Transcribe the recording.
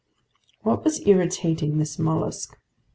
What was irritating this mollusk?